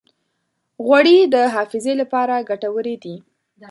غوړې د حافظې لپاره ګټورې دي.